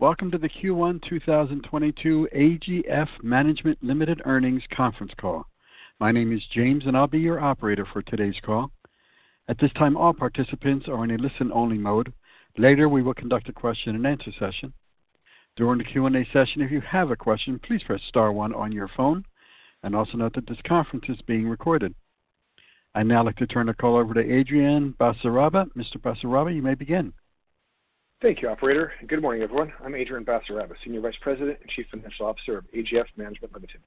Welcome to the Q1 2022 AGF Management Limited Earnings Conference Call. My name is James, and I'll be your operator for today's call. At this time, all participants are in a listen-only mode. Later, we will conduct a question-and-answer session. During the Q&A session, if you have a question, please press *1 on your phone. Also note that this conference is being recorded. I'd now like to turn the call over to Adrian Basaraba. Mr. Basaraba, you may begin. Thank you, operator, and good morning, everyone. I'm Adrian Basaraba, Senior Vice President and Chief Financial Officer of AGF Management Limited.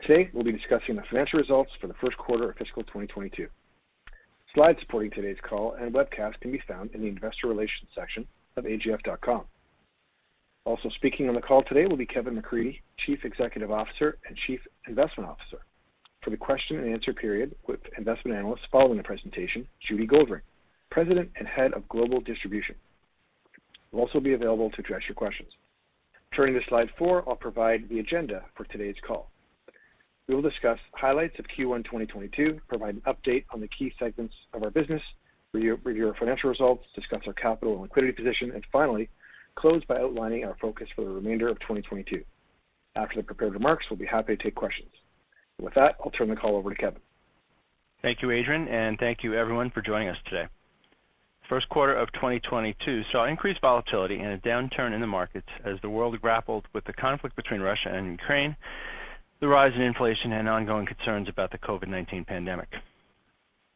Today, we'll be discussing the financial results for the first quarter of fiscal 2022. Slides supporting today's call and webcast can be found in the investor relations section of agf.com. Also speaking on the call today will be Kevin McCreadie, Chief Executive Officer and Chief Investment Officer. For the question-and-answer period with investment analysts following the presentation, Judy Goldring, President and Head of Global Distribution, will also be available to address your questions. Turning to slide four, I'll provide the agenda for today's call. We will discuss highlights of Q1 2022, provide an update on the key segments of our business, review our financial results, discuss our capital and liquidity position, and finally, close by outlining our focus for the remainder of 2022. After the prepared remarks, we'll be happy to take questions. With that, I'll turn the call over to Kevin. Thank you, Adrian, and thank you everyone for joining us today. First quarter of 2022 saw increased volatility and a downturn in the markets as the world grappled with the conflict between Russia and Ukraine, the rise in inflation, and ongoing concerns about the COVID-19 pandemic.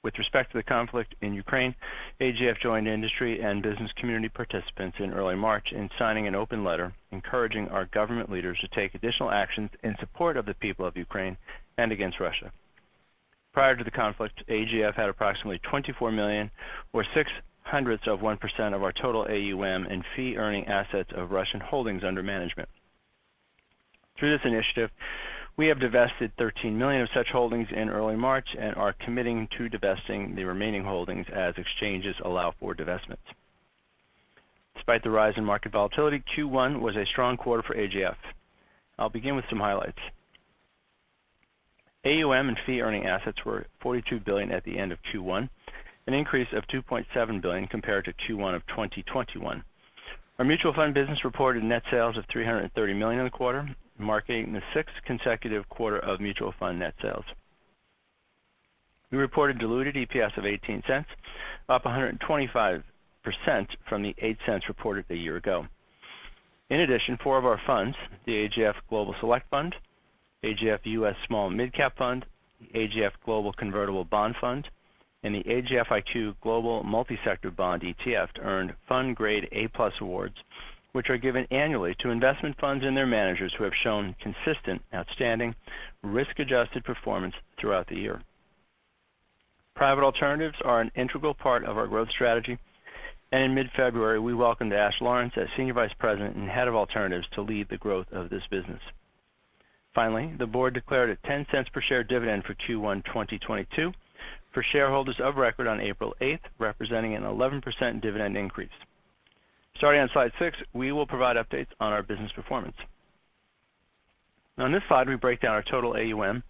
With respect to the conflict in Ukraine, AGF joined industry and business community participants in early March in signing an open letter encouraging our government leaders to take additional actions in support of the people of Ukraine and against Russia. Prior to the conflict, AGF had approximately 24 million, or 0.06% of our total AUM and fee-earning assets of Russian holdings under management. Through this initiative, we have divested 13 million of such holdings in early March and are committing to divesting the remaining holdings as exchanges allow for divestment. Despite the rise in market volatility, Q1 was a strong quarter for AGF. I'll begin with some highlights. AUM and fee-earning assets were CAD 42 billion at the end of Q1, an increase of CAD 2.7 billion compared to Q1 of 2021. Our mutual fund business reported net sales of CAD 330 million in the quarter, marking the sixth consecutive quarter of mutual fund net sales. We reported diluted EPS of 0.18, up 125% from the 0.08 reported a year ago. In addition, four of our funds, the AGF Global Select Fund, AGF U.S. Small-Mid Cap Fund, the AGF Global Convertible Bond Fund, and the AGFiQ Global Multi-Sector Bond ETF earned FundGrade A+ awards, which are given annually to investment funds and their managers who have shown consistent outstanding risk-adjusted performance throughout the year. Private alternatives are an integral part of our growth strategy, and in mid-February, we welcomed Ash Lawrence as Senior Vice President and Head of Alternatives to lead the growth of this business. Finally, the board declared a 0.10 per share dividend for Q1 2022 for shareholders of record on April 8, representing an 11% dividend increase. Starting on slide 6, we will provide updates on our business performance. Now on this slide, we break down our total AUM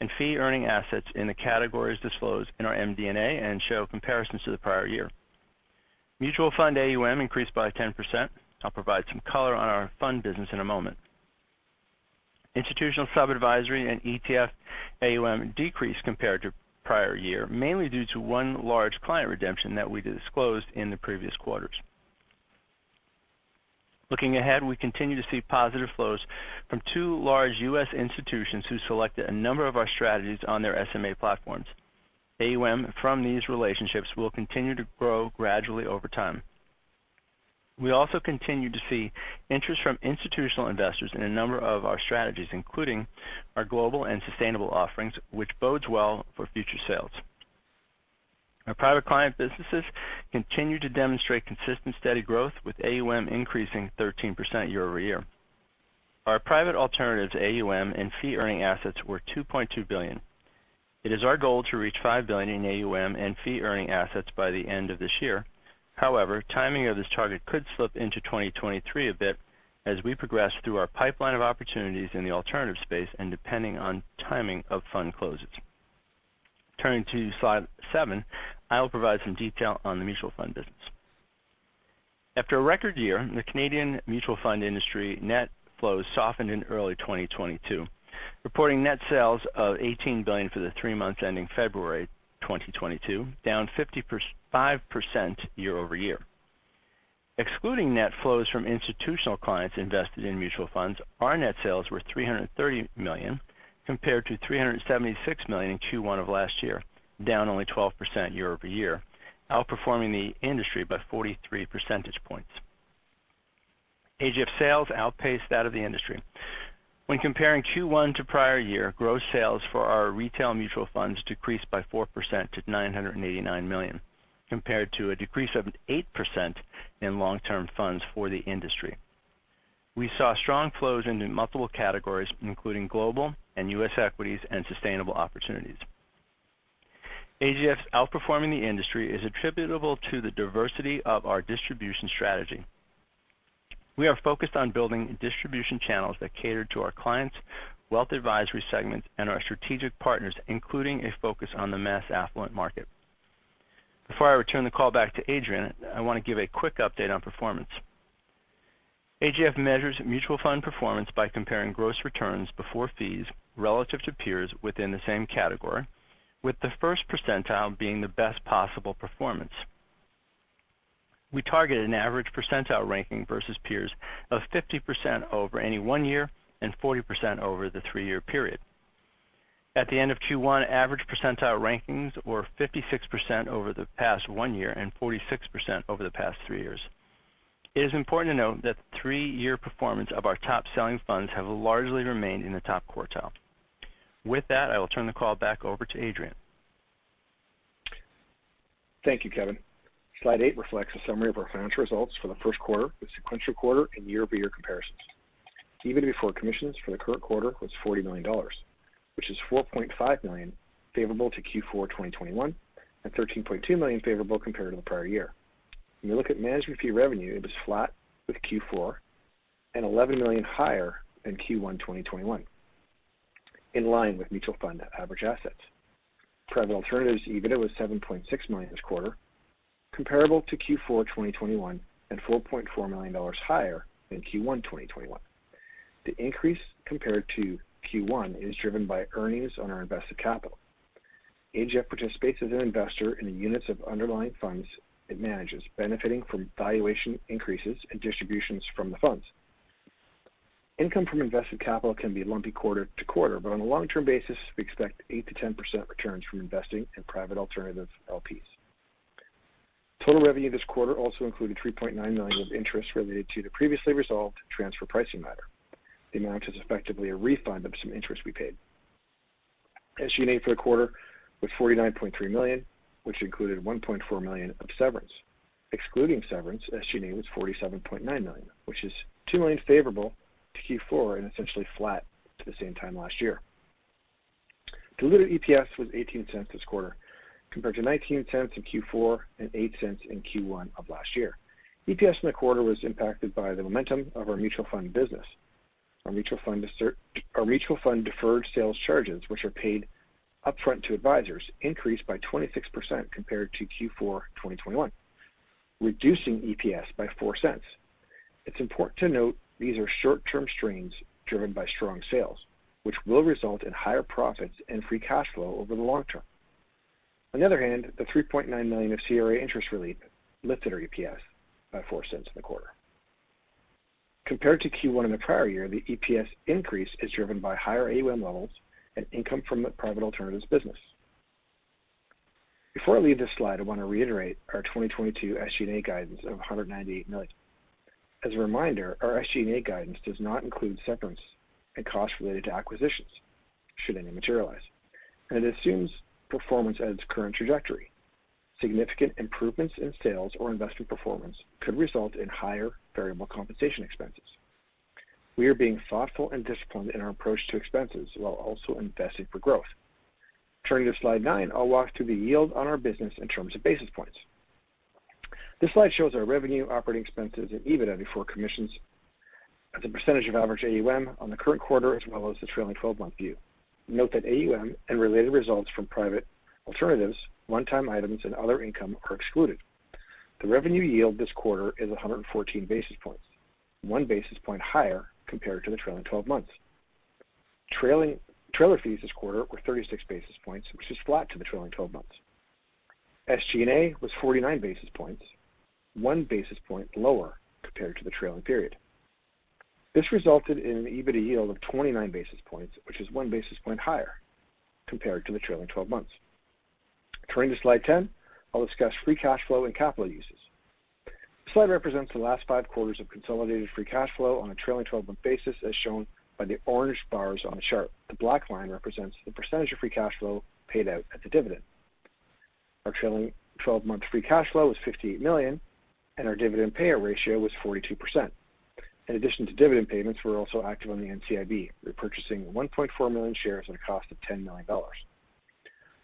and fee-earning assets in the categories disclosed in our MD&A and show comparisons to the prior year. Mutual fund AUM increased by 10%. I'll provide some color on our fund business in a moment. Institutional sub-advisory and ETF AUM decreased compared to prior year, mainly due to one large client redemption that we disclosed in the previous quarters. Looking ahead, we continue to see positive flows from two large U.S. institutions who selected a number of our strategies on their SMA platforms. AUM from these relationships will continue to grow gradually over time. We also continue to see interest from institutional investors in a number of our strategies, including our global and sustainable offerings, which bodes well for future sales. Our private client businesses continue to demonstrate consistent, steady growth with AUM increasing 13% year-over-year. Our private alternatives AUM and fee-earning assets were CAD 2.2 billion. It is our goal to reach 5 billion in AUM and fee-earning assets by the end of this year. However, timing of this target could slip into 2023 a bit as we progress through our pipeline of opportunities in the alternative space and depending on timing of fund closes. Turning to slide 7, I will provide some detail on the mutual fund business. After a record year, the Canadian mutual fund industry net flows softened in early 2022, reporting net sales of 18 billion for the three months ending February 2022, down 55% year-over-year. Excluding net flows from institutional clients invested in mutual funds, our net sales were 330 million compared to 376 million in Q1 of last year, down only 12% year-over-year, outperforming the industry by 43 percentage points. AGF sales outpaced that of the industry. When comparing Q1 to prior year, gross sales for our retail mutual funds decreased by 4% to 989 million, compared to a decrease of 8% in long-term funds for the industry. We saw strong flows into multiple categories, including global and U.S. equities and sustainable opportunities. AGF's outperforming the industry is attributable to the diversity of our distribution strategy. We are focused on building distribution channels that cater to our clients, wealth advisory segment, and our strategic partners, including a focus on the mass affluent market. Before I return the call back to Adrian, I want to give a quick update on performance. AGF measures mutual fund performance by comparing gross returns before fees relative to peers within the same category, with the first percentile being the best possible performance. We target an average percentile ranking versus peers of 50% over any one year and 40% over the three-year period. At the end of Q1, average percentile rankings were 56% over the past one year and 46% over the past three years. It is important to note that three-year performance of our top selling funds have largely remained in the top quartile. With that, I will turn the call back over to Adrian. Thank you, Kevin. Slide 8 reflects a summary of our financial results for the first quarter with sequential quarter-over-quarter and year-over-year comparisons. EBITDA before commissions for the current quarter was 40 million dollars, which is 4.5 million favorable to Q4 2021, and 13.2 million favorable compared to the prior year. When you look at management fee revenue, it was flat with Q4 and 11 million higher than Q1 2021, in line with mutual fund average assets. Private alternatives EBITDA was 7.6 million this quarter, comparable to Q4 2021 and 4.4 million dollars higher than Q1 2021. The increase compared to Q1 is driven by earnings on our invested capital. AGF participates as an investor in the units of underlying funds it manages, benefiting from valuation increases and distributions from the funds. Income from invested capital can be lumpy quarter to quarter, but on a long-term basis, we expect 8%-10% returns from investing in private alternative LPs. Total revenue this quarter also included 3.9 million of interest related to the previously resolved transfer pricing matter. The amount is effectively a refund of some interest we paid. SG&A for the quarter was 49.3 million, which included 1.4 million of severance. Excluding severance, SG&A was 47.9 million, which is 2 million favorable to Q4 and essentially flat to the same time last year. Diluted EPS was 0.18 this quarter compared to 0.19 in Q4 and 0.08 in Q1 of last year. EPS in the quarter was impacted by the momentum of our mutual fund business. Our mutual fund deferred sales charges, which are paid upfront to advisors, increased by 26% compared to Q4 2021, reducing EPS by 0.04. It's important to note these are short-term strains driven by strong sales, which will result in higher profits and free cash flow over the long term. On the other hand, the 3.9 million of CRA interest relief lifted our EPS by 0.04 in the quarter. Compared to Q1 in the prior year, the EPS increase is driven by higher AUM levels and income from the private alternatives business. Before I leave this slide, I want to reiterate our 2022 SG&A guidance of 198 million. As a reminder, our SG&A guidance does not include severance and costs related to acquisitions should any materialize, and it assumes performance at its current trajectory. Significant improvements in sales or investment performance could result in higher variable compensation expenses. We are being thoughtful and disciplined in our approach to expenses while also investing for growth. Turning to slide nine, I'll walk through the yield on our business in terms of basis points. This slide shows our revenue, operating expenses, and EBITDA before commissions as a percentage of average AUM on the current quarter, as well as the trailing twelve-month view. Note that AUM and related results from private alternatives, one-time items, and other income are excluded. The revenue yield this quarter is 114 basis points, 1 basis point higher compared to the trailing twelve months. Trailer fees this quarter were 36 basis points, which is flat to the trailing twelve months. SG&A was 49 basis points, 1 basis point lower compared to the trailing period. This resulted in an EBIT yield of 29 basis points, which is 1 basis point higher compared to the trailing twelve months. Turning to slide 10, I'll discuss free cash flow and capital uses. This slide represents the last 5 quarters of consolidated free cash flow on a trailing twelve-month basis, as shown by the orange bars on the chart. The black line represents the percentage of free cash flow paid out as a dividend. Our trailing twelve-month free cash flow was 58 million, and our dividend payout ratio was 42%. In addition to dividend payments, we're also active on the NCIB, repurchasing 1.4 million shares at a cost of 10 million dollars.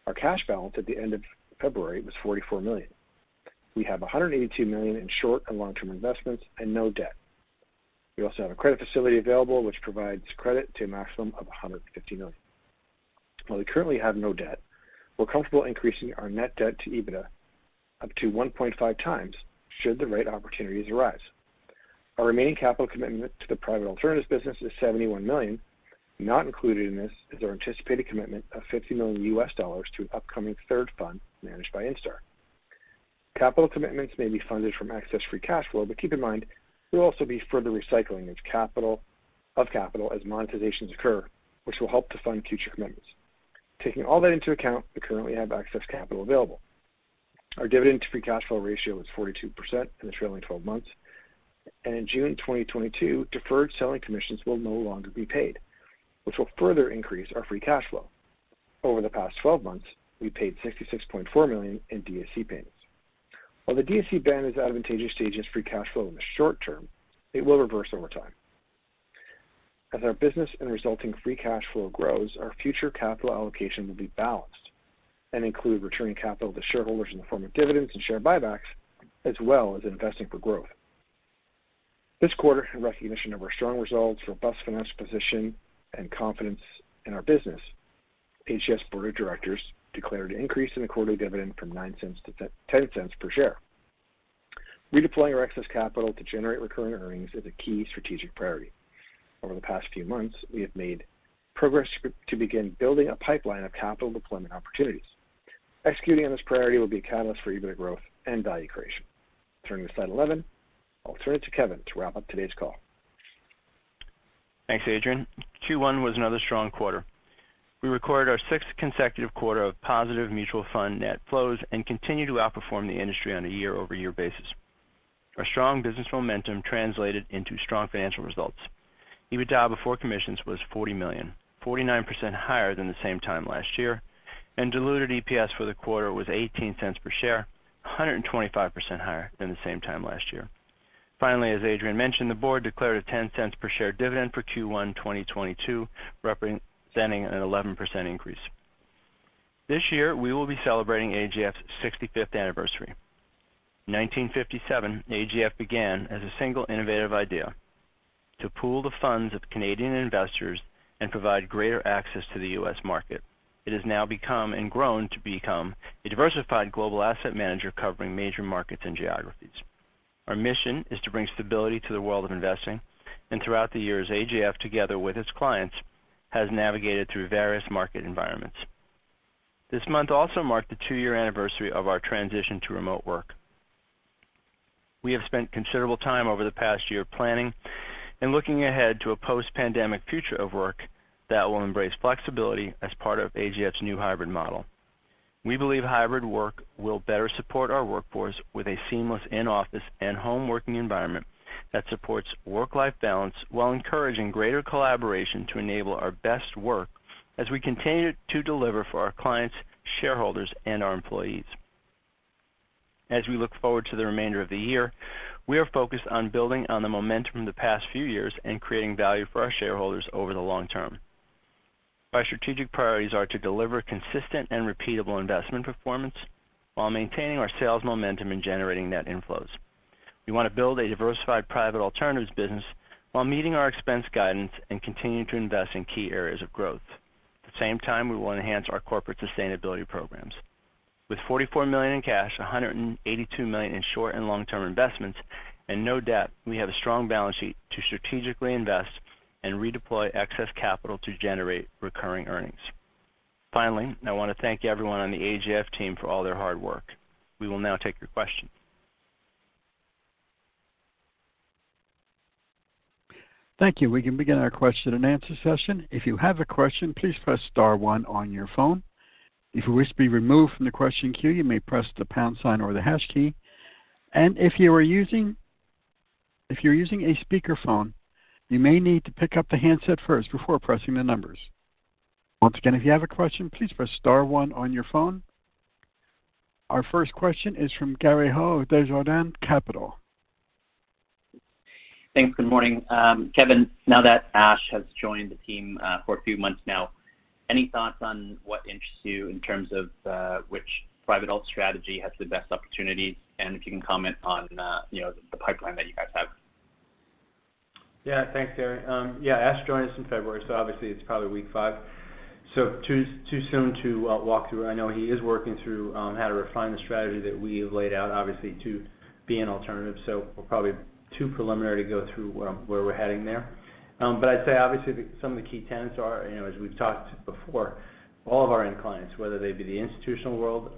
Our cash balance at the end of February was 44 million. We have 182 million in short and long-term investments and no debt. We also have a credit facility available which provides credit to a maximum of 150 million. While we currently have no debt, we're comfortable increasing our net debt to EBITDA up to 1.5 times should the right opportunities arise. Our remaining capital commitment to the private alternatives business is 71 million. Not included in this is our anticipated commitment of $50 million to upcoming third fund managed by Instar. Capital commitments may be funded from excess free cash flow, but keep in mind we'll also be further recycling its capital as monetizations occur, which will help to fund future commitments. Taking all that into account, we currently have excess capital available. Our dividend free cash flow ratio is 42% in the trailing twelve months. In June 2022, deferred selling commissions will no longer be paid, which will further increase our free cash flow. Over the past 12 months, we paid 66.4 million in DSC payments. While the DSC ban is advantageous to AGF's free cash flow in the short term, it will reverse over time. As our business and resulting free cash flow grows, our future capital allocation will be balanced and include returning capital to shareholders in the form of dividends and share buybacks, as well as investing for growth. This quarter, in recognition of our strong results, robust financial position, and confidence in our business, AGF's board of directors declared an increase in the quarterly dividend from 0.09 to 0.10 per share. Redeploying our excess capital to generate recurring earnings is a key strategic priority. Over the past few months, we have made progress to begin building a pipeline of capital deployment opportunities. Executing on this priority will be a catalyst for EBITDA growth and value creation. Turning to slide 11. I'll turn it to Kevin to wrap up today's call. Thanks, Adrian. Q1 was another strong quarter. We recorded our sixth consecutive quarter of positive mutual fund net flows and continue to outperform the industry on a year-over-year basis. Our strong business momentum translated into strong financial results. EBITDA before commissions was 40 million, 49% higher than the same time last year, and diluted EPS for the quarter was 0.18 per share, 125% higher than the same time last year. Finally, as Adrian mentioned, the board declared a 0.10 per share dividend for Q1 2022, representing an 11% increase. This year, we will be celebrating AGF's sixty-fifth anniversary. 1957, AGF began as a single innovative idea to pool the funds of Canadian investors and provide greater access to the U.S. market. It has now become and grown to become a diversified global asset manager covering major markets and geographies. Our mission is to bring stability to the world of investing. Throughout the years, AGF, together with its clients, has navigated through various market environments. This month also marked the two-year anniversary of our transition to remote work. We have spent considerable time over the past year planning and looking ahead to a post-pandemic future of work that will embrace flexibility as part of AGF's new hybrid model. We believe hybrid work will better support our workforce with a seamless in-office and home working environment that supports work-life balance, while encouraging greater collaboration to enable our best work as we continue to deliver for our clients, shareholders, and our employees. As we look forward to the remainder of the year, we are focused on building on the momentum from the past few years and creating value for our shareholders over the long term. Our strategic priorities are to deliver consistent and repeatable investment performance while maintaining our sales momentum and generating net inflows. We want to build a diversified private alternatives business while meeting our expense guidance and continuing to invest in key areas of growth. At the same time, we will enhance our corporate sustainability programs. With 44 million in cash, 182 million in short and long-term investments, and no debt, we have a strong balance sheet to strategically invest and redeploy excess capital to generate recurring earnings. Finally, I wanna thank everyone on the AGF team for all their hard work. We will now take your questions. Thank you. We can begin our question-and-answer session. If you have a question, please press *1 on your phone. If you wish to be removed from the question queue, you may press the # sign or the hash key. If you're using a speakerphone, you may need to pick up the handset first before pressing the numbers. Once again, if you have a question, please press *1 on your phone. Our first question is from Gary Ho of Desjardins Capital Markets. Thanks. Good morning. Kevin, now that Ash has joined the team, for a few months now, any thoughts on what interests you in terms of, which private alt strategy has the best opportunities? If you can comment on, you know, the pipeline that you guys have. Yeah. Thanks, Gary. Ash joined us in February, so obviously it's probably week five. Too soon to walk through. I know he is working through how to refine the strategy that we have laid out, obviously, to be an alternative. We're probably too preliminary to go through where we're heading there. But I'd say obviously the some of the key tenets are, you know, as we've talked before, all of our end clients, whether they be the institutional world,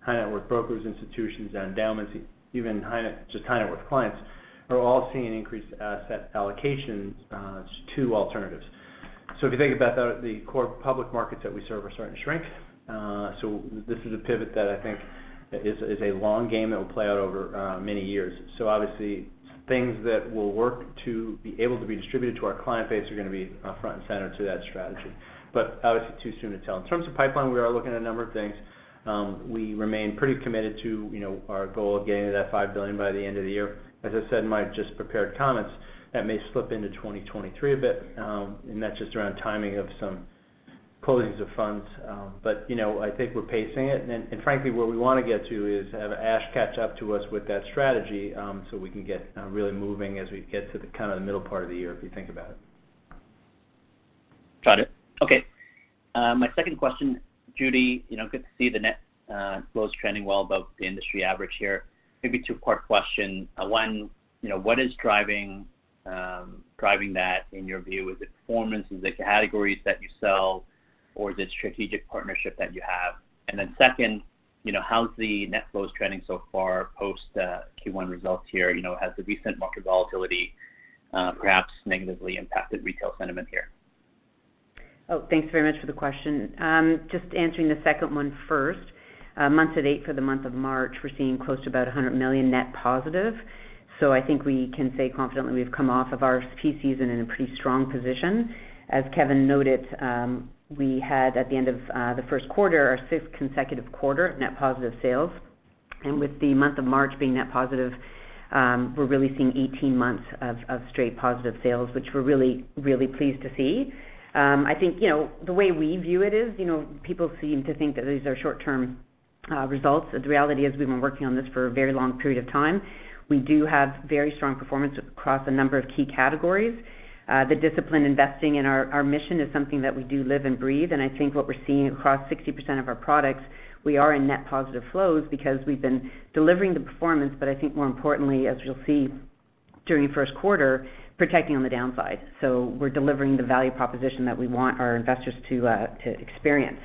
high net worth brokers, institutions, endowments, even just high net worth clients, are all seeing increased asset allocations to alternatives. If you think about the core public markets that we serve are starting to shrink. This is a pivot that I think is a long game that will play out over many years. Obviously, things that will work to be able to be distributed to our client base are gonna be front and center to that strategy. Obviously, too soon to tell. In terms of pipeline, we are looking at a number of things. We remain pretty committed to, you know, our goal of getting to that 5 billion by the end of the year. As I said in my just prepared comments, that may slip into 2023 a bit, and that's just around timing of some closings of funds. You know, I think we're pacing it. Frankly, where we wanna get to is have Ash catch up to us with that strategy, so we can get really moving as we get to the kind of the middle part of the year, if you think about it. Got it. Okay. My second question, Judy, you know, good to see the net flows trending well above the industry average here. Maybe two-part question. One, you know, what is driving that in your view? Is it performance? Is it categories that you sell, or the strategic partnership that you have? Then second, you know, how's the net flows trending so far post Q1 results here? You know, has the recent market volatility perhaps negatively impacted retail sentiment here? Oh, thanks very much for the question. Just answering the second one first. Month to date for the month of March, we're seeing close to about 100 million net positive. So I think we can say confidently we've come off of our peak season in a pretty strong position. As Kevin noted, we had at the end of the first quarter, our sixth consecutive quarter of net positive sales. With the month of March being net positive, we're really seeing 18 months of straight positive sales, which we're really pleased to see. I think, you know, the way we view it is, you know, people seem to think that these are short term results. The reality is we've been working on this for a very long period of time. We do have very strong performance across a number of key categories. The discipline investing in our mission is something that we do live and breathe, and I think what we're seeing across 60% of our products, we are in net positive flows because we've been delivering the performance, I think more importantly, as you'll see during the first quarter, protecting on the downside. We're delivering the value proposition that we want our investors to experience.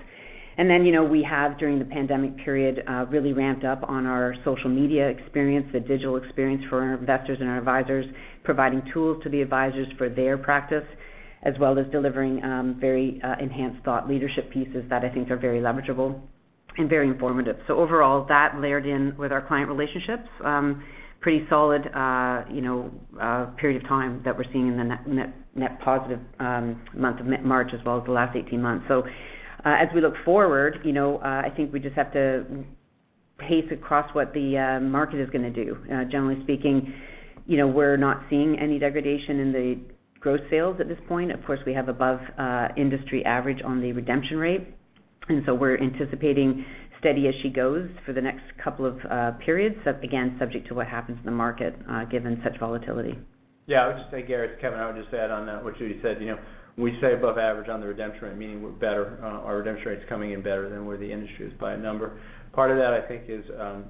Then, you know, we have, during the pandemic period, really ramped up on our social media experience, the digital experience for our investors and our advisors, providing tools to the advisors for their practice, as well as delivering very enhanced thought leadership pieces that I think are very leverageable and very informative. Overall, that layered in with our client relationships, pretty solid, you know, period of time that we're seeing in the net positive month of March as well as the last 18 months. As we look forward, you know, I think we just have to pace across what the market is gonna do. Generally speaking, you know, we're not seeing any degradation in the gross sales at this point. Of course, we have above industry average on the redemption rate, and so we're anticipating steady as she goes for the next couple of periods. Again, subject to what happens in the market, given such volatility. Yeah. I would just say, Gary Ho, Kevin, I would just add on that, which you said, you know, when we say above average on the redemption rate, meaning we're better, our redemption rate's coming in better than where the industry is by a number. Part of that, I think, is,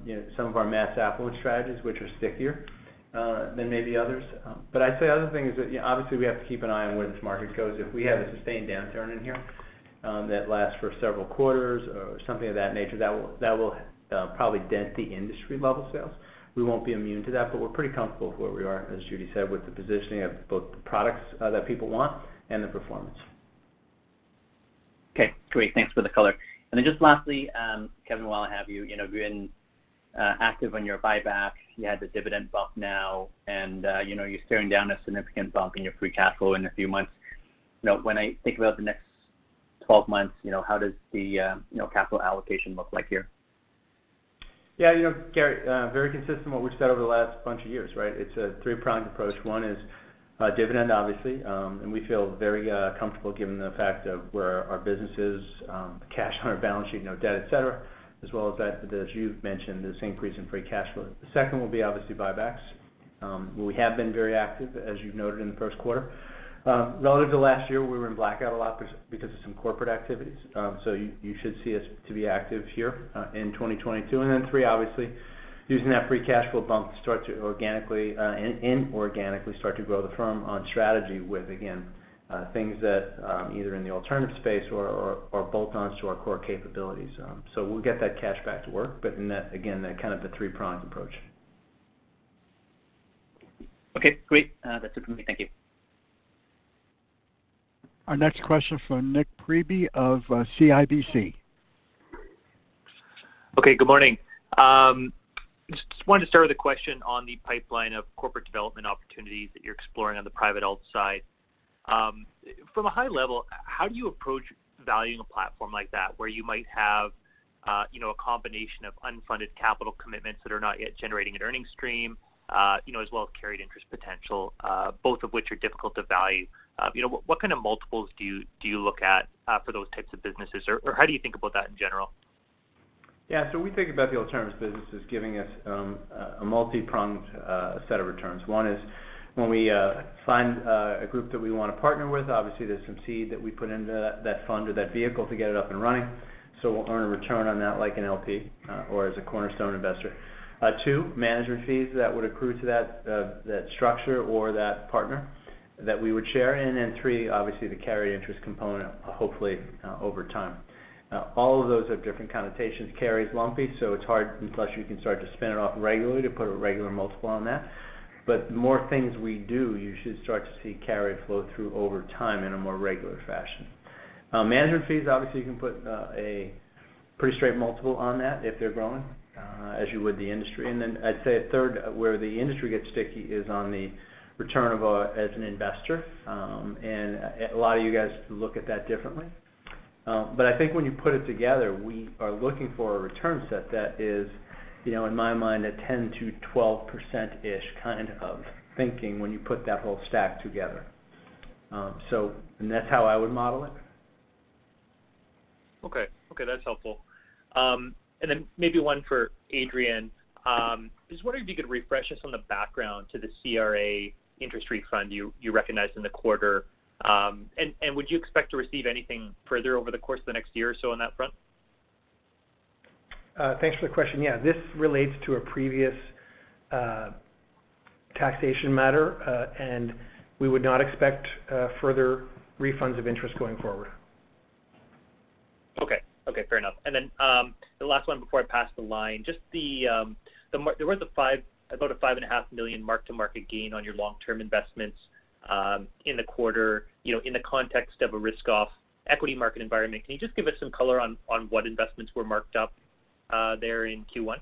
you know, some of our mass affluent strategies, which are stickier than maybe others. But I'd say other thing is that, you know, obviously we have to keep an eye on where this market goes. If we have a sustained downturn in here that lasts for several quarters or something of that nature, that will probably dent the industry level sales. We won't be immune to that, but we're pretty comfortable with where we are, as Judy said, with the positioning of both the products that people want and the performance. Okay. Great. Thanks for the color. Just lastly, Kevin, while I have you know, you've been active on your buyback. You have the dividend bump now, and you know, you're staring down a significant bump in your free cash flow in a few months. You know, when I think about the next 12 months, you know, how does the you know, capital allocation look like here? Yeah. You know, Gary Ho, very consistent what we've said over the last bunch of years, right? It's a three-pronged approach. One is dividend obviously. We feel very comfortable given the fact of where our business is, the cash on our balance sheet, no debt, et cetera, as well as that, as you've mentioned, this increase in free cash flow. The second will be obviously buybacks, where we have been very active, as you've noted in the first quarter. Relative to last year, we were in blackout a lot because of some corporate activities. You should see us to be active here in 2022. Three, obviously, using that free cash flow bump to organically start to grow the firm on strategy with, again, things that either in the alternative space or bolt-ons to our core capabilities. So we'll get that cash back to work. Net, again, that kind of the three-pronged approach. Okay. Great. That's it for me. Thank you. Our next question from Nik Priebe of CIBC. Okay. Good morning. Just wanted to start with a question on the pipeline of corporate development opportunities that you're exploring on the private alt side. From a high level, how do you approach valuing a platform like that, where you might have, you know, a combination of unfunded capital commitments that are not yet generating an earnings stream, you know, as well as carried interest potential, both of which are difficult to value? What kind of multiples do you look at for those types of businesses, or how do you think about that in general? Yeah. We think about the alternatives business as giving us a multipronged set of returns. One is when we find a group that we wanna partner with, obviously there's some seed that we put into that fund or that vehicle to get it up and running. We'll earn a return on that like an LP or as a cornerstone investor. Two, management fees that would accrue to that structure or that partner that we would share. And then three, obviously the carry interest component, hopefully over time. All of those have different connotations. Carry is lumpy, so it's hard, unless you can start to spin it off regularly, to put a regular multiple on that. The more things we do, you should start to see carry flow through over time in a more regular fashion. Management fees, obviously, you can put a pretty straight multiple on that if they're growing as you would the industry. Then I'd say a third where the industry gets sticky is on the return on as an investor. A lot of you guys look at that differently. I think when you put it together, we are looking for a return set that is, you know, in my mind, a 10%-12%-ish kind of thinking when you put that whole stack together. That's how I would model it. Okay. Okay, that's helpful. Maybe one for Adrian. I was wondering if you could refresh us on the background to the CRA interest refund you recognized in the quarter. Would you expect to receive anything further over the course of the next year or so on that front? Thanks for the question. Yeah. This relates to a previous taxation matter, and we would not expect further refunds of interest going forward. Okay. Fair enough. The last one before I pass the line, just, there was about 5.5 million mark-to-market gain on your long-term investments in the quarter. You know, in the context of a risk-off equity market environment, can you just give us some color on what investments were marked up there in Q1?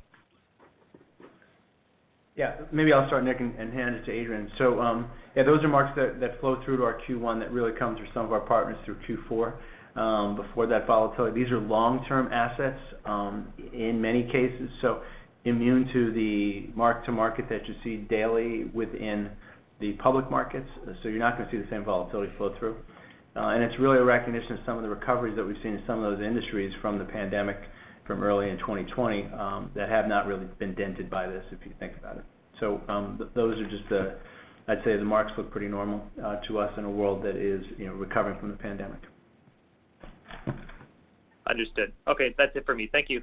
Yeah. Maybe I'll start, Nick, and hand it to Adrian. Those are marks that flow through to our Q1 that really come through some of our partners through Q4, before that volatility. These are long-term assets, in many cases, so immune to the mark-to-market that you see daily within the public markets. You're not gonna see the same volatility flow through. It's really a recognition of some of the recoveries that we've seen in some of those industries from the pandemic from early in 2020, that have not really been dented by this, if you think about it. Those are just the marks. I'd say the marks look pretty normal, to us in a world that is, you know, recovering from the pandemic. Understood. Okay. That's it for me. Thank you.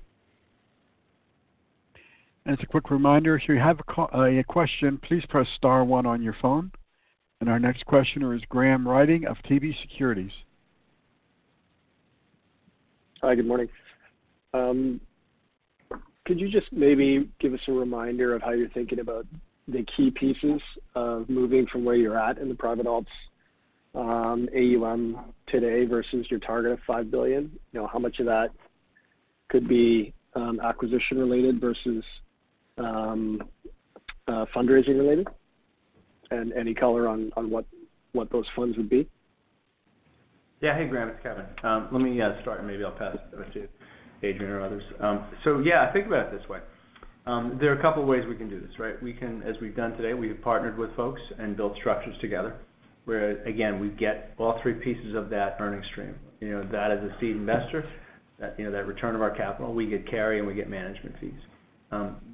As a quick reminder, if you have a question, please press*1 on your phone. Our next questioner is Graham Ryding of TD Securities. Hi, good morning. Could you just maybe give us a reminder of how you're thinking about the key pieces of moving from where you're at in the private alts, AUM today versus your target of 5 billion? You know, how much of that could be, acquisition related versus, fundraising related? Any color on what those funds would be? Yeah. Hey, Graham, it's Kevin. Let me start and maybe I'll pass it over to Adrian or others. Yeah, think about it this way. There are a couple of ways we can do this, right? We can, as we've done today, have partnered with folks and built structures together. Where, again, we get all three pieces of that earning stream. You know, that as a seed investor, that, you know, that return of our capital, we get carry and we get management fees.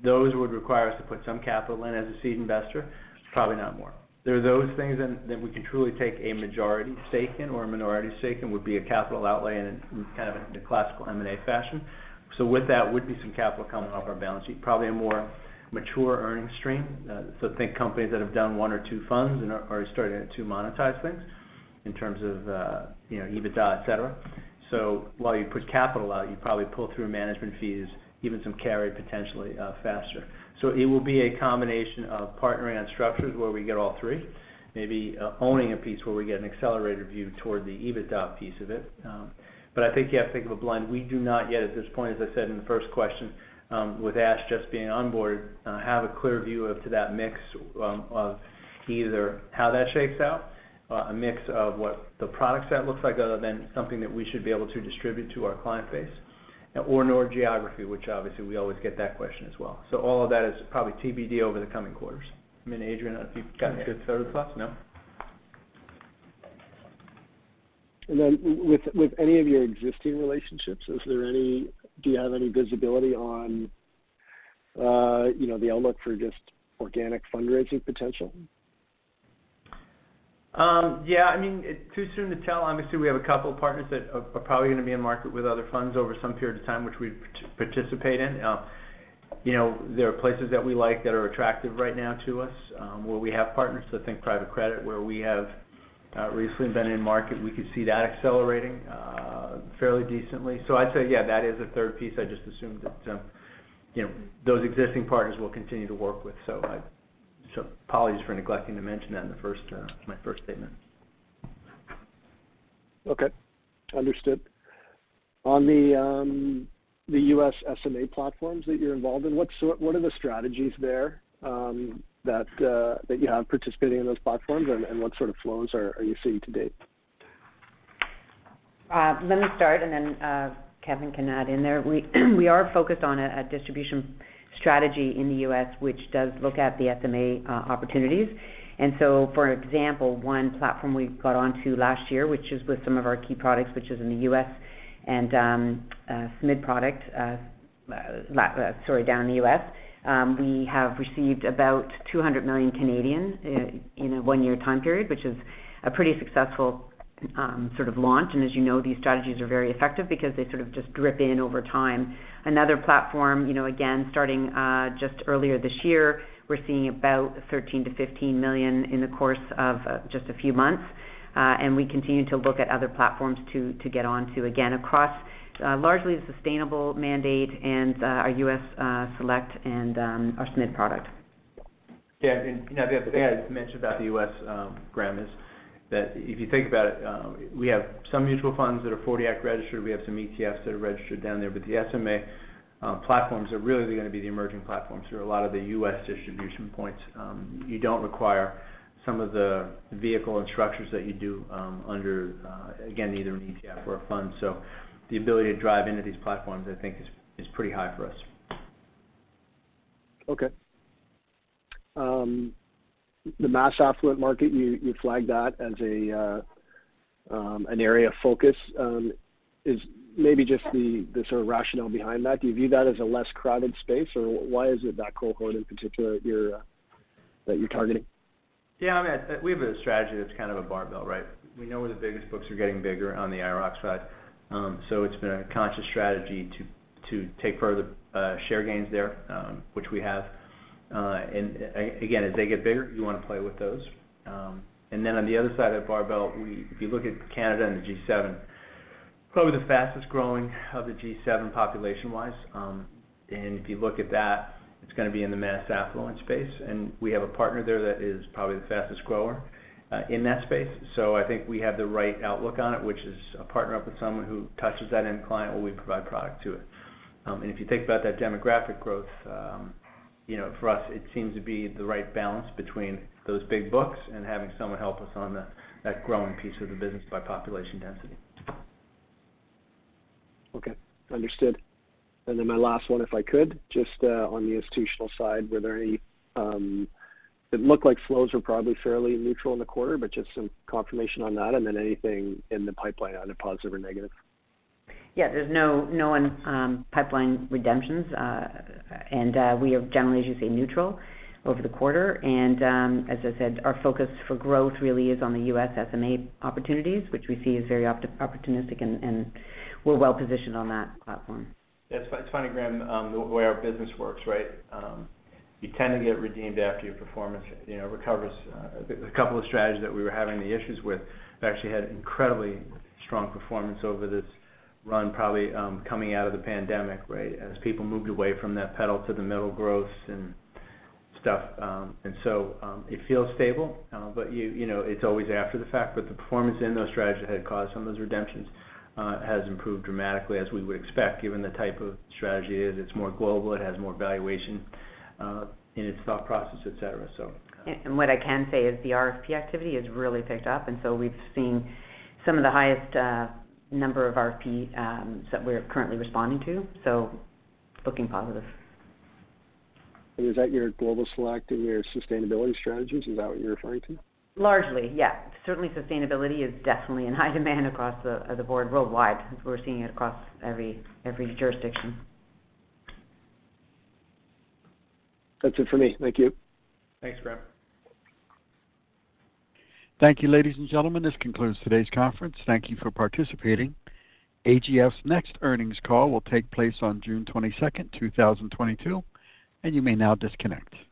Those would require us to put some capital in as a seed investor, probably not more. There are those things that we can truly take a majority stake in or a minority stake in, would be a capital outlay in kind of the classical M&A fashion. With that would be some capital coming off our balance sheet, probably a more mature earnings stream. Think companies that have done one or two funds and are starting to monetize things in terms of, you know, EBITDA, et cetera. While you put capital out, you probably pull through management fees, even some carry potentially, faster. It will be a combination of partnering on structures where we get all three, maybe, owning a piece where we get an accelerated view toward the EBITDA piece of it. I think you have to think of a blend. We do not yet at this point, as I said in the first question, with Ash just being on board, have a clear view of that mix, of either how that shakes out, a mix of what the product set looks like other than something that we should be able to distribute to our client base, or our geography, which obviously we always get that question as well. All of that is probably TBD over the coming quarters. I mean, Adrian, I don't know if you've got any further thoughts. No. With any of your existing relationships, do you have any visibility on, you know, the outlook for just organic fundraising potential? Yeah, I mean, too soon to tell. Obviously, we have a couple of partners that are probably gonna be in market with other funds over some period of time, which we participate in. You know, there are places that we like that are attractive right now to us, where we have partners. Think private credit, where we have recently been in market. We could see that accelerating fairly decently. I'd say, yeah, that is a third piece. I just assumed that, you know, those existing partners we'll continue to work with. Apologies for neglecting to mention that in the first, my first statement. Okay, understood. On the U.S. SMA platforms that you're involved in, what are the strategies there that you have participating in those platforms and what sort of flows are you seeing to date? Let me start. Kevin can add in there. We are focused on a distribution strategy in the U.S., which does look at the SMA opportunities. For example, one platform we got onto last year, which is with some of our key products, which is in the U.S. and SMID product down in the U.S. We have received about 200 million in a 1-year time period, which is a pretty successful sort of launch. As you know, these strategies are very effective because they sort of just drip in over time. Another platform, you know, again, starting just earlier this year, we're seeing about 13 million-15 million in the course of just a few months. We continue to look at other platforms to get onto again across largely the sustainable mandate and our U.S. Select and our SMID product. Yeah. You know, the other thing I'd mention about the U.S., Graham, is that if you think about it, we have some mutual funds that are 40 Act registered. We have some ETFs that are registered down there. The SMA platforms are really gonna be the emerging platforms. They're a lot of the U.S. distribution points. You don't require some of the vehicles and structures that you do under, again, either an ETF or a fund. The ability to drive into these platforms, I think is pretty high for us. Okay. The mass affluent market, you flagged that as an area of focus. Is maybe just the sort of rationale behind that. Do you view that as a less crowded space? Or why is it that cohort in particular that you're targeting? Yeah. I mean, we have a strategy that's kind of a barbell, right? We know where the biggest books are getting bigger on the IIROC side. It's been a conscious strategy to take further share gains there, which we have. Again, as they get bigger, you wanna play with those. Then on the other side of the barbell, if you look at Canada and the G7, probably the fastest-growing of the G7 population-wise. If you look at that, it's gonna be in the mass affluent space. We have a partner there that is probably the fastest grower in that space. I think we have the right outlook on it, which is to partner up with someone who touches that end client, where we provide product to it. If you think about that demographic growth, you know, for us, it seems to be the right balance between those big books and having someone help us on that growing piece of the business by population density. Okay. Understood. My last one, if I could, just on the institutional side. Were there any it looked like flows were probably fairly neutral in the quarter, but just some confirmation on that, and then anything in the pipeline on a positive or negative? Yeah. There's no pipeline redemptions. We are generally, as you say, neutral over the quarter. As I said, our focus for growth really is on the U.S. SMA opportunities, which we see is very opportunistic and we're well positioned on that platform. Yeah. It's funny, Graham, the way our business works, right? You tend to get redeemed after your performance, you know, recovers. A couple of strategies that we were having the issues with actually had incredibly strong performance over this run, probably coming out of the pandemic, right? As people moved away from that pedal to the metal growth and stuff. It feels stable, but you know, it's always after the fact. The performance in those strategies had caused some of those redemptions has improved dramatically as we would expect, given the type of strategy it is. It's more global. It has more valuation in its thought process, et cetera. So. What I can say is the RFP activity has really picked up, and so we've seen some of the highest number of RFP that we're currently responding to, so looking positive. Is that your Global Select and your sustainability strategies? Is that what you're referring to? Largely, yeah. Certainly, sustainability is definitely in high demand across the board worldwide, since we're seeing it across every jurisdiction. That's it for me. Thank you. Thanks, Graham. Thank you, ladies and gentlemen. This concludes today's conference. Thank you for participating. AGF's next earnings call will take place on June 22, 2022, and you may now disconnect. There we go.